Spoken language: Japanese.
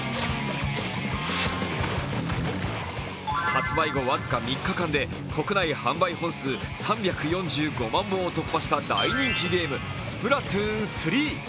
発売後僅か３日間で国内販売本数３４５万本を突破した大人気ゲーム「スプラトゥーン３」。